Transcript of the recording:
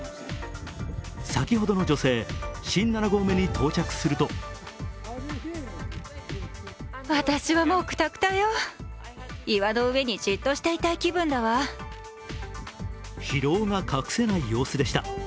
先ほどの女性、新７合目に到着すると疲労が隠せない様子でした。